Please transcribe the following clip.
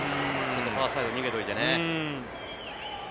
ファーサイドに逃げておいてね。